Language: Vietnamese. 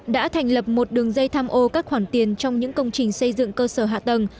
đã thành lập một đường dây tham ô các khoản tiền trong những công trình xây dựng cơ sở hạ tầng